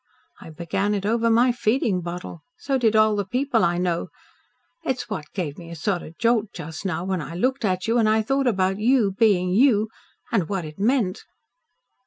I began it over my feeding bottle. So did all the people I know. That's what gave me a sort of a jolt just now when I looked at you and thought about you being YOU and what it meant."